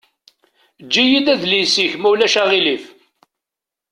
Eǧǧ-iyi-d adlis-ik ma ulac aɣilif.